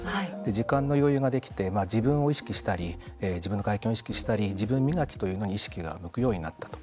時間の余裕ができて自分を意識したり自分の外見を意識したり自分磨きというのに意識が向くようになったと。